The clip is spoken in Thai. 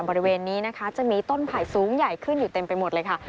บริเวณนี้นะคะจะมีต้นไผ่สูงใหญ่ขึ้นอยู่เต็มไปหมดเลยค่ะ